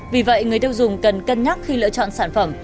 vì vậy người tiêu dùng cần cân nhắc khi lựa chọn sản phẩm